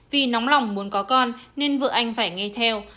vì nóng lòng muốn có con nên vợ anh phải nghe theo